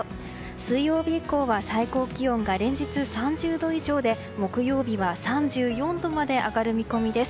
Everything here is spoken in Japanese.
水曜日以降は最高気温が連日３０度以上で木曜日は３４度まで上がる見込みです。